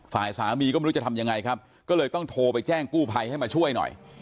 ฝ่ายสามีก็ไม่รู้จะทำยังไงครับก็เลยต้องโทรไปแจ้งกู้ภัยให้มาช่วยหน่อย